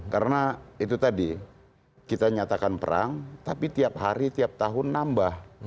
karena itu tadi kita nyatakan perang tapi tiap hari tiap tahun nambah